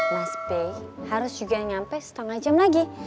mas by harus juga nyampe setengah jam lagi